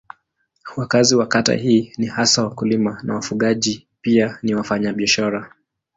Wakazi wa kata hii ni hasa wakulima na wafugaji pia ni wafanyabiashara.